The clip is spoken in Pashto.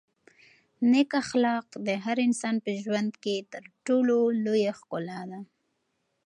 نېک اخلاق د هر انسان په ژوند کې تر ټولو لویه ښکلا ده.